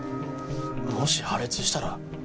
もし破裂したら？